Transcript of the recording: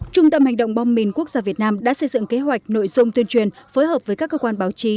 trung tâm hành động bom mìn quốc gia việt nam đã xây dựng kế hoạch nội dung tuyên truyền phối hợp với các cơ quan báo chí